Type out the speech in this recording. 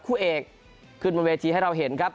คู่เอกขึ้นบนเวทีให้เราเห็นครับ